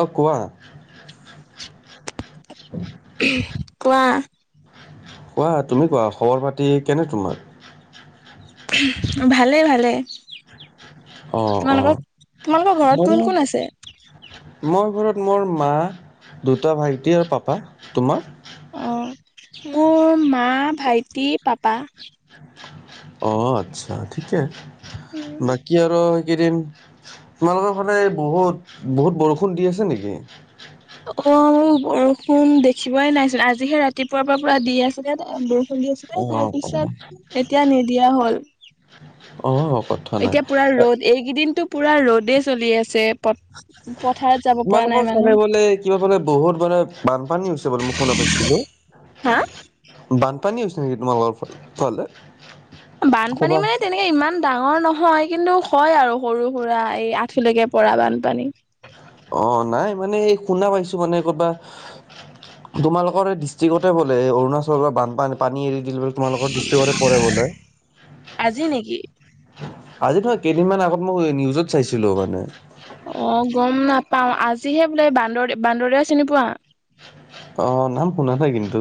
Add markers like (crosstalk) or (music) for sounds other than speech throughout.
অ' কোৱা। কোৱা। কোৱা তুমি কোৱা, খবৰ পাতি কেনে তোমাৰ? ভালে, ভালে। অ অ তোমালোকৰ, তোমালোকৰ ঘৰত মোৰো কোন কোন আছে? মোৰ ঘৰত মোৰ মা, দুটা ভাইটি আৰু পাপা। তোমাৰ? অঁ, মোৰ মা, ভাইটি, পাপা। অ', আচ্ছা, ঠিকে, বাকী আৰু এইকেইদিন তোমালোকৰ ফালে বহুত, বহুত বৰষুণ দি আছে নেকি? অ', বৰষুণ দেখিবই নাইচোন, আজিহে ৰাতিপুৱাৰ পৰা পুৰা দি আছিলে। চলি অ আছিলে, তাৰ পিছত এতিয়া নিদিয়া হ'ল। অ' ক'ত। এতিয়া পুৰা ৰ'দ, এইকেইদিনো পুৰা ৰ'দেই চলি আছে। প পথাৰত যাব পৰা নাই তোমালোকৰ মানুহ চালে বোলে কিবা ফালে বহুত মানে, বানপানী হৈছে বোলে মোক শুনা পাইছিলোঁ। হা বানপানী হৈছে নেকি, তোমালোকৰ ফালে? বানপানী ক'ৰবাত মানে তেনেক এই ইমান ডাঙৰ নহয়, কিন্তু হয় আৰু সৰু-সুৰা এই আঁঠুলৈকে পৰা বানপানী। অ', নাই মানে এই শুনা পাইছোঁ মানে, কৰ'বা তোমালোকৰ এই ডিষ্ট্ৰিকতে বোলে, অৰুণাচলৰ বানপানী এৰি দিল তোমালোকৰ ডিষ্ট্ৰিকতে পৰে বোলে। আজি নেকি? আজি নহয়, কেইদিনমান আগত মই নিউজত চাইছিলো মানে। অ', গম নাপাওঁ, আজিহে বোলে বান্দৰ -বান্দৰদেয়া চিনি পোৱা? অ', নাম শুনা নাই কিন্তু।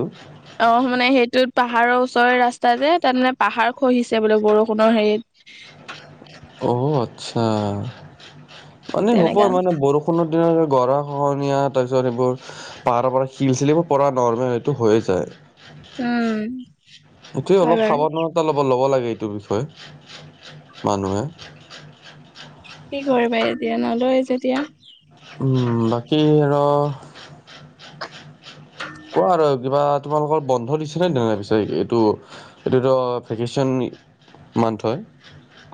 অ', মানে সেইটোত পাহাৰৰ ওচৰৰে ৰাস্তা যে, তাত মানে পাহাৰ খহিছে বোলে বৰষুণৰ হেৰিত। অ', আচ্ছা, পানী হ'ব তেনেকা মানে বৰষুণ দিনত গৰা খহনীয়া, তাৰপিছত এইবোৰ পাহাৰৰ পৰা শিল, চিল এইবোৰ পৰা নৰ্মেল, সেইটো হৈয়ে যায়। উম। এইটোৱে হয় অলপ বাৰু সাৱধানতা ল'ব, ল'ব লাগে, এইটো বিষয়ে মানুহে। কি কৰিবা এতিয়া, নলয় যেতিয়া। উম, বাকী আৰু কোৱা আৰু কিবা, তোমালোকৰ বন্ধ দিছে নে পিছে এইটো এইটোতো ভেকেশচন, মান্থ হয়।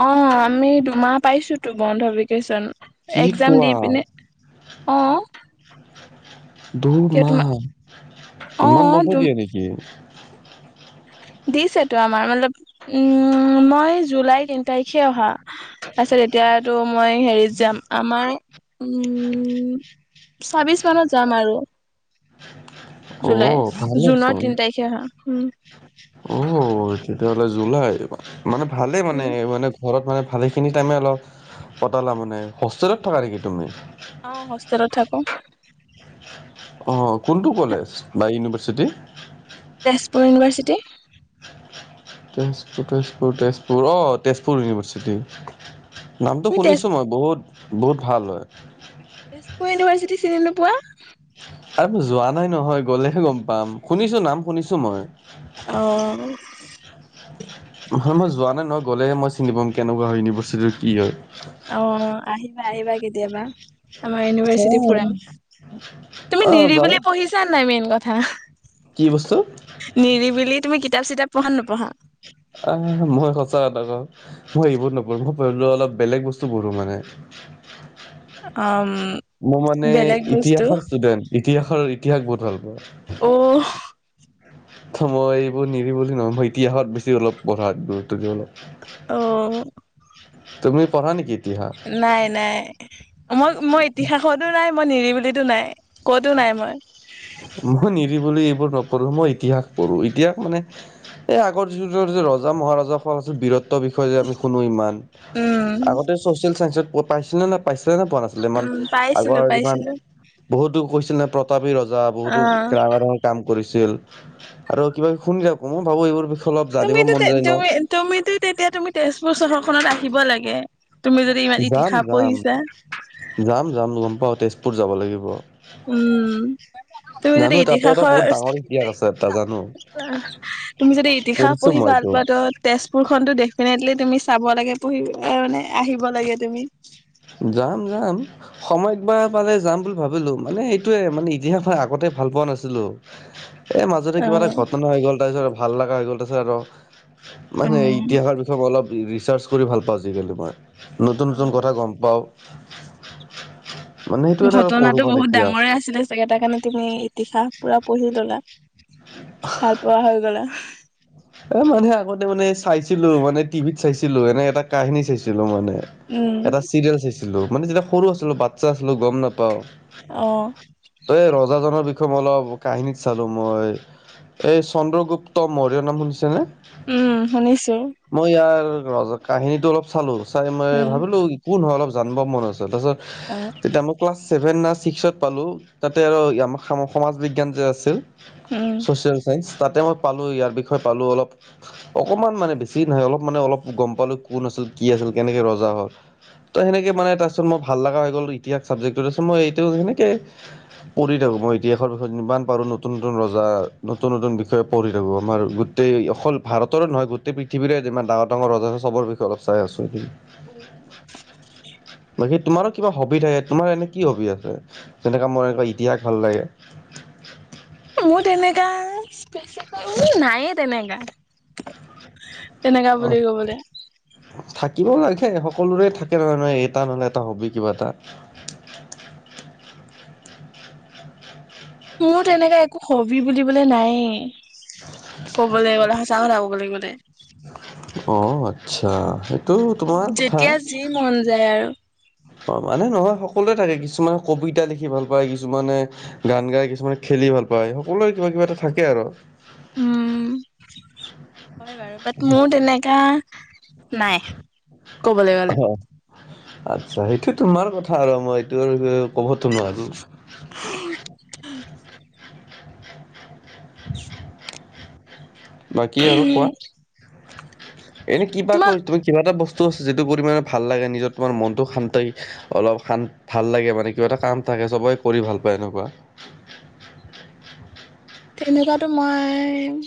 অ', আমি দুমাহ পাইছোতো বন্ধ ভেকেশ্যন, কি এক্জাম দি কোৱা পিনে। অ কিয় দুমাহ, তোমাৰ অ ইমান বন্ধ দিয়ে নেকি? দিছেতো আমাৰ, মতলপ উম, মই জুলাই তিন তাৰিখে অহা। তাৰ পিছত এতিয়াটো মই হেৰিত যাম আমাৰ উম, ছাব্বিশ মানত যাম আৰু। অ জুলাই জুনৰ ভালেচোন তিন তাৰিখে অহা। অ, তেতিয়াহ'লে জুলাই মানে ভালে মানে উম মানে ঘৰত মানে, ভালেখিনি টাইমে অলপ কতালা মানে হোষ্টেলত থকা নেকি তুমি? অ, হোষ্টেলত থাকো। (inaudible) অ, কোনটো কলেজ বা ইউনিভাৰ্চিটি? তেজপুৰ ইউনিভাৰ্চিটি। তেজপুৰ-তেজপুৰ-তেজপুৰ অ, তেজপুৰ ইউনিভাৰ্চিটি। নামটো তুমি তেজ শুনিছো মই বহুত-বহুত ভাল হয়। তেজপুৰ ইউনিভাৰ্চিটি চিনি নোপোৱা? আৰু যোৱা নাই নহয়। গলেহে গম পাম শুনিছো নাম শুনিছো মই। অ', (inaudible) নহয় মই যোৱা নাই নহয় গ'লে মই চিনি পাম কেনেকুৱা হয়, ইউনিভাৰ্চিটিটো কি হয়? অ, আহিবা-আহিবা কেতিয়াবা আমাৰ ইউনিভাৰ্চিটি ফুৰাম। অ (unintelligible) জান নাই মেইন কথা, কি বস্তু? নিৰিবি তুমি কিতাপ চিতাপ পঢ়া নে নপঢ়া? আহ, মই সঁচা ক‌ও। মই এইবোৰ নপঢ়ো মই অলপ বেলেগ বস্তু পঢ়ো মানে। অ', মোৰ মানে ইতিহাসৰ ষ্টুডেন্ট ইতিহাস-ইতিহাস বহুত ভাল পাও। অ', মই এইবোৰ নিৰিবিলি বুলি, মই ইতিহাসত বেছি অলপ পঢ়াত গুৰুত্ব দিওঁ অলপ। অ', তুমি পঢ়া নেকি এতিহাস? নাই-নাই, মই-মই ইতিহাসতো নাই, মই নিৰিবিলিতো নাই, কতো নাই মই। মই নিৰিবিলি এইবোৰ নপঢ়োঁ মই ইতিহাস পঢ়োঁ, ইতিহাস মানে এই আগৰ যি ৰজা মহাৰজাৰ ফল আছে বিৰত বিষয় যে আমি শুনো ইমান উম আগতে চছিয়েল চাইঞ্চেয়ত পাই পাইছিলানে নে পোৱা নাছিলে ইমান উম পাইছিলো আগৰ ইমান পাইছিলো বহুতো কৈছিলে প্ৰতাপী ৰজা বহুতো অ ডাঙৰ-ডাঙৰ কাম কৰিছিল আৰু কিবা শুনি থাকো, মই ভাবো এইবোৰ অলপ জানিব তুমিতো মন যায় ন। তুমি তুমিতো তেতিয়া তুমি তেজপুৰ চহৰখননত আহিব লাগে তুমি যদি ইমান ইতিহাহ পঢ়িছা। (unintelligible) যাম-যাম গম পাওঁ তেজপুৰ যাব লাগিব। উম, তুমি যদি জানো তাতো এটা ইতিহাসৰ বহুত ডাঙৰ ইতিহাস আছে এটা জানো তুমি যদি ইতিহাস পঢ়িছো পঢ়ি মই ভাল এইটো পা তই তেজপুৰ খনটো ডেফিনেটলি তুমি চাব লাগে পঢহিবানে আহিব লাগে তুমি। যাম-যাম। সময়তবাৰ পালে যাম বুলি ভাবিলো মানে সেইটোয়ে মানে ইতিহাস মই আগতে ভাল পোৱা নাছিলো। এ মাজতে অ কিবা এটা ঘটনা হৈ গ'ল তাৰপিছত আৰু ভাল লগা হৈ গ'ল তাৰিছত আৰু মানে উম ইতিহাসৰ বিষয়ে ম অলপ ৰিচাৰ্চ কৰি ভাল পাওঁ আজালি মই নতুন-নতুন কথা গম পাও। অু (unintelligible) ঘটনাটো বহুত ডাঙৰে আছিলে। চাগে এটা কাৰণে তুমি ইতিহাস পুৰা পঢ়ি ল'লা, ভাল পোৱা হৈ গ'লা। এ মানে আগতে মানে চাইছিলো মানে টিভিত চাইছিলো এনে এটা কাহিনী চাইছিলো মানে। উম এটা চিৰিয়েল চাইছিলো মানে যেতিয়া সৰু আছিলো বাচ্ছা আছিলো গ'ম নাপাওঁ। অঁ। তই এই ৰজাজনৰ বিষয়ে মই অলপ কাহিনীত চালো মই। এই চন্দ্ৰগুপ্ত ৰ্মৌয্য নাম শুনিছেনে? উম, শুনিছো। মই ইয়াৰ ৰ কাহিনীটো অলপ চালো, চাই মই উম ভাবিলো কোন হয় অলপ জানিব মন আছে। তাৰপিছত অ'। তেতিয়া মই ক্লাছ চছেভেন ন ছিক্সত পালো, তাতে আৰু সমাজ বিজ্ঞান যে আছিল ছচিয়েল চাইন্স, তাতে মই পালো ইয়াৰ বিষয়ে পালো অলপ। অকমান মানে বেছি নহয় অলপ মানে অলপ গ'ম পালো কোন আছিল কি আছিল কেনেকে ৰজা হ'ল ত' সেনেকে মানে তাৰপাছত মই ভাল লগা হৈ গ'ল ইতিহাস চাবজেক্টটো, তাৰপাছত মই এতিয়াও সেনেকে পঢ়ি থাকোঁ মই ইতিহাসৰ বিষয়ত যিমান পাৰোঁ নতুন নতুন ৰজা নতুন নতুন বিষয়ে পঢ়ি থাকোঁ। আমাৰ গো গোটই অকল ভাৰতৰো নহয় গোটেই পৃথিৱীৰে যিমান ডাঙৰ ডাঙৰ ৰজা আছে চবৰ বিষয়ে অলপ চাই আছোঁ। উম বাকী? তোমাৰো কিবা হবি থাকে তোমাৰ এনে কি হবি আছে? যেনেকুৱা মোৰ এনেকুৱা ইতিহাস ভাল লাগে। মোৰ তেনেকা নাইয়ে তেনেকা। তেনেকা অ বুলি ক'বলৈ। থাকিব লাগে সকলোৰে থাকে নহয় এটা নহলে এটা হবি কিবা এটা। মোৰ তেনেকাে একো হবি বুলিবলে নাই ক'বলৈ গ'ল। চাহলাব লাগিবানে (unintelligible) অ' আচ্ছা সেইটো তোমাৰ কথা। যেতিয়া যি মন যায় আৰু মানে নহয় সকলোৱে থাকে, কিছুমানে কবিতা লিখি ভাল পায়, কিছুমানে গান গাই, কিছুমানে খেলি ভাল পায়, সকলোৰে কিবা নহয় কিবা এটা থাকে আৰু। উম হয় বাৰু বাট মোৰ তেনেকা নাই ক'বলৈ গ'লে। আচ্ছা, সেইটো তোমাৰ কথা আৰু মই এইটো ক'বতো নোৱাৰো। বাকী আৰু কোৱা? এনে কিবা তোমাৰ কৰি তুমি কিবা এটা বস্তু আছে যিটো কৰি মানে ভাল লাগে নিজৰ তোমাৰ মনটো শান্তি অলপ শান ভাল লাগে মানে কিবা এটা কাম থাকে সবেই কৰি ভাল পায় এনেকুৱা। তেনেকুৱাতো মই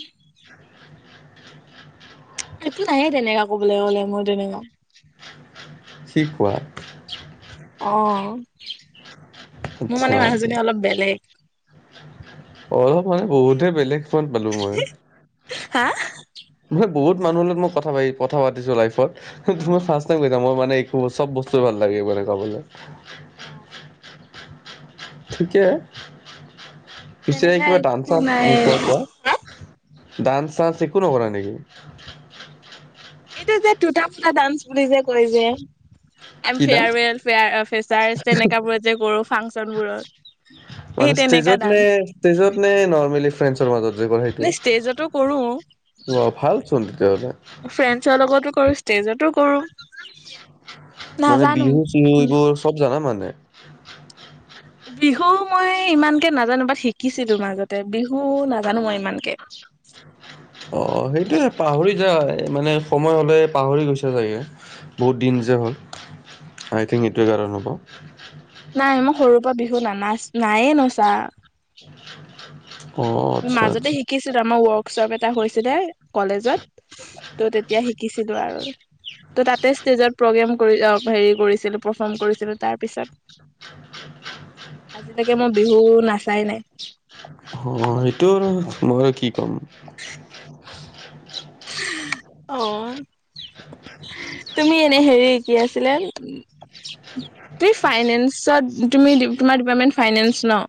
একো নাইয়ে তেনেকুৱা কবলৈ গ'লে মই তেনেকুৱা। উ (unintelligible) কি কোৱা। অ' মোৰ আচ্ছা মানে আচ্ছা মানুহজনী অলপ বেলেগ। অলপ মানে বহুতে বেলেগ হেন পালো মই। হা মানে বহুত মানুহৰ লগত মই কথা পাতিছো লাইফত তোমাৰ ৰ্ফাষ্ট ম মানে একো চব বস্তুৱে ভাল লাগে মানে কবলৈ (inaudible) ঠিকে পিছে তেনেকা কিবা দান একো চা নাই নো খোৱা কোৱা ডান্স চানস একো নকৰা নেকি? এইটো যে, টোটা ফুটা ডান্স বুলি যে কয় যে আইম কি ডান্স? ফেয়াৰৱেল, ফেয়া ফেচাৰ্চ, তেনেকোৱা বোৰত যে কৰোঁ, ফাংচন বোৰত মানে ষ্টেজত নে ষ্টেজত নে নৰ্মেলী? ফ্ৰেণ্ডছৰ মাজত যে কৰে সেইটো? নে ষ্টেজতো কৰো ৱা ভাল চোন তেতিয়াহ'লে। ছৰ লগতো কৰোঁ, ষ্টেজতো কৰোঁ। মানে বিহু চিহু এইবোৰ, চব জানা মানে! বিহু মই ইমানকে নাজানো। বাট, শিকিছিলো মাজতে। বিহু নাজানো মই ইমানকে। অ' সেইটোয়ে পাহৰি যায়, মানে সময় হ'লে পাহৰি গৈছা চাগে। বহুত দিন যে হ'ল, আই থিংক এইটোৱে কাৰন হ'ব। নাই, মই সৰুৰ পৰা বিহু নানাচ, নায়ে নচা। (unintelligible) অ' আচ্ছা মাজতে আচ্ছা শিকিছিলো, আমাৰ ৱৰ্কশ্বপ এটা হৈছিলে কলেজত ত' তেতিয়া শিকিছিলো আৰু। ত' তাতে ষ্টেজত প্ৰগ্ৰেম কৰি হেৰি কৰিছিলো, পাৰফৰ্ম কৰিছিলো। তাৰ পিছত, (inaudible) আজিলৈকে মই বিহু নাচাই নাই অ' সেইটো আৰু, মই আৰু কি ক'ম আহ তুমি এনেই হেৰি, কি আছিলে তুমি ফাইনেন্সত, তুমি তোমাৰ ডিপাৰ্টমেন্ট ফাইনেন্স ন?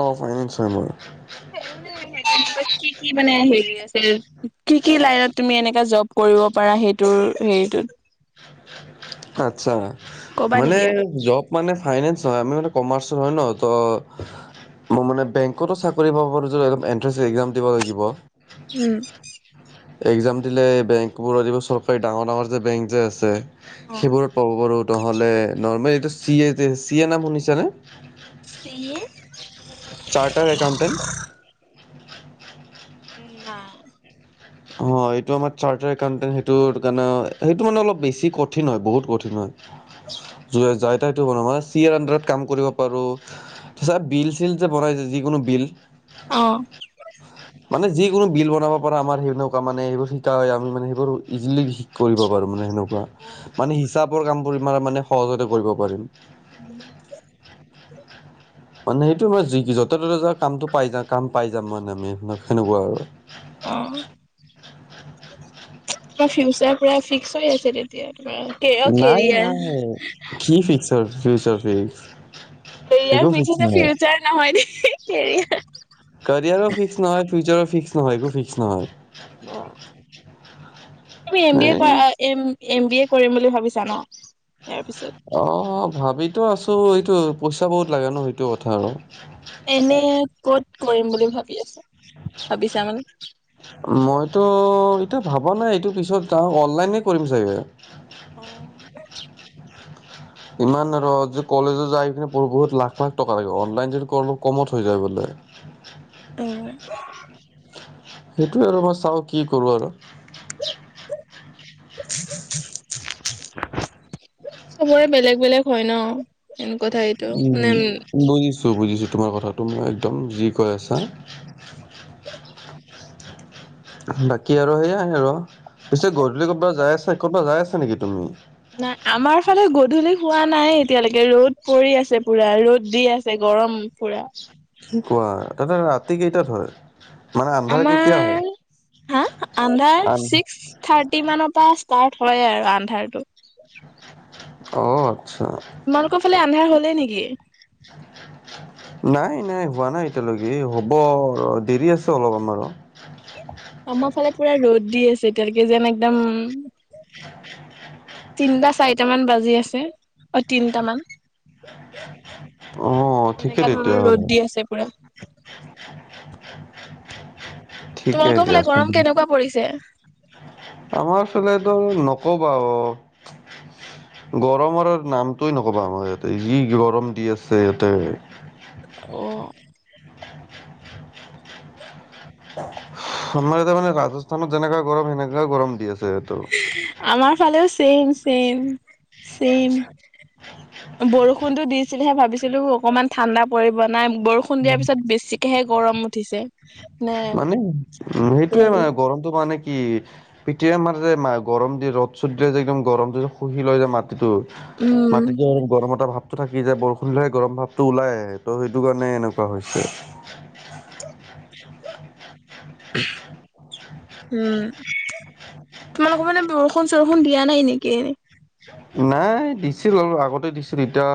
অ' ফাইনেন্স হয় মোৰ হে মানে হে তেনেকুৱা, কি কি মানে হেৰি আছে? কি কি লাইনত তুমি এনেকা জব কৰিব পাৰা সেইটোৰ হেৰিটোত? আচ্ছা, কবা মানে নেকি আকৌ? জব মানে ফাইনেন্স নহয়, আমি মানে কমাৰ্চৰ হয় ন' ত' মই মানে বেংকতো চাকৰি পাব পাৰোঁ, যদি অলপ এণ্ট্ৰেঞ্চ এক্সাম দিব লাগিব। হম এক্সাম দিলে বেংকবোৰত, এইবোৰ চৰকাৰী ডাঙৰ ডাঙৰ যে বেংক যে আছে, সেইবোৰত পাব পাৰোঁ। নহ'লে নৰ্মেল এইটো চিয়ে যে, চিয়ে নাম শুনিছানে? C A! Chartered accountant. উম না। অ' এইটো আমাৰ চাৰ্টাৰ একাউণ্টেণ্ট, সেইটো কাৰণে সেইটো মানে অলপ বেছি কঠিন হয়, বহুত কঠিন হয়। (unintelligible) চি এ আণ্ডাৰত কাম কৰিব পাৰো, তাছত, বিল চিল যে বনাই যে যিকোনো বিল অ' মানে যিকোনো বিল বনাব পৰা আমাৰ সেনেকুৱা মানে এইবোৰ শিকা হয়, আমি মানে সেইবোৰ ইজিলি ঠিক কৰিব পাৰোঁ, মানে সেনেকুৱা। মানে হিচাপৰ কাম কৰি মা মানে সহজতে কৰিব পাৰিম (inaudible) মানে সেইটো হয়, যি কি য'তে ত'তে যাও কামটো পাই যাম। কাম পাই যাম মানে আমি সেনেকুৱা আৰু অ' তোমাৰ ফিউচাৰ পুৰা ফিক্স হৈ আছে দে (unintelligible) অ' নাই নাই কেৰিয়াৰ। (unintelligible) ফিউচাৰ ফি কেৰিয়াৰ পিছতে ফিউচাৰ নহয় দেই, কেৰিয়াৰ। কাৰিয়াৰো ফিক্স নহয়, ফিউচাৰো ফিক্স নহয়, একো ফিক্স নহয়। অ'। তুমি এম বি এ এই কৰা, এম এম বি এ কৰিম বুলি ভাবিছা ন', ইয়াৰ পিছত অ', ভাবিটো আছো, এইটো পইচা বহুত লাগে ন' সেইটো কথা আৰু। এনে ক'ত কৰিম বুলি ভাবি আছা, ভাবিছা মানে। মইতো, এটোয়া ভবা নাই, এইটো পিছত আহ অনলাইনে কৰিম চাগে। অ'। ইমান আৰু কলেজত যাই কিনে বহুত লাখ লাখ টকা লাগে, অনলাইন যদি অলপ কমত হৈ যায় বোলে। উম। সেইটোৱে আৰু মই চাওঁ কি কৰোঁ আৰু। চবৰে বেলেগ, বেলেগ হয় ন'। মেইন কথা এইটো, মানে উম। বুজিছোঁ, বুজিছোঁ তোমাৰ কথাটো, মই একদম যি কৈ আছা। (inaudible) বাকী আৰু সেইয়াই আৰু, পিছে গধূলি ক'ৰবাত যাই আছ, ক'ৰবাত যাই আছা নেকি তুমি? নাই, আমাৰ ফালে গধূলি হোৱা নাই এতিয়ালৈকে, ৰ'দ পৰি আছে পুৰা ৰ'দ দি আছে গৰম। পুৰা। কোৱা তাতে ৰাতি কেইটাত হয়? মানে আন্ধাৰ কেতিয়া হয় আমাৰ হা, আডাৰ আন চিক্স থাৰ্টি মানৰ পৰা ষ্টাৰ্ট হয় আৰু আন্ধাৰটো। অ', আচ্ছা। তোমালোকৰ ফালে আন্ধাৰ হ'লেই নেকি? উ (unintelligible) নাই, নাই হোৱা নাই এতিয়ালৈকে, হ'ব দেৰি আছে অলপ আমাৰো। আমাৰ ফালে পুৰা ৰ'দ দি আছে এতিয়ালৈকে, যেন একদম তিনটা, চাৰিটামান বাজি আছে, অ', তিনটামান। অ ঠিকে তেনেকুৱকা ধৰণৰ তেতিয়াহ'লে ৰ'দ দি আছে পুৰা। ঠিকে তোমালোকৰ দিয়া ফালে আছো। গৰম কেনেকুৱা পৰিছে। আমাৰ ফালেটো নকবা গৰমৰ নামটোোৱে নকবা, আমাৰ ইয়াতে যি গৰম দি আছে ইয়াতে। অ'। আমাৰ এতিয়া মানে ৰাজস্থানত যেনেকা গৰম সেনেকা গৰম দি আছে। ত আমাৰ ফালেও চেম, চেম। (unintelligible) আছিলেহে ভাবিছিলোঁ অকনমান ঠাণ্ডা পৰিব, নাই বৰষুণ দিয়াৰ পিছত বেছিকেহে গৰম উঠিছে। নে মানে উম, সেইটোৱে মানে গৰমটো মানে কি, পিতিয়াই মাৰে যে গৰম দি ৰ'দ চ'ত দিলে যে, একদম গৰমটো যে শুহি লৈ যায় মাত টো, উম। মাত এতিয়া গৰম এটা ভাৱটো থাকি যায়, বৰষুণবোৰে গৰম ভাৱটো ওলাই আনে, ত' সেইটো কাৰণে এনেকুৱা হৈছে। (inaudible) উম। তোমালোকৰ মানে বৰষুণ-চৰষুণ দিয়া নাই নেকি এনে? নাই দিছিল আৰু আগতে দিছিল এতিয়া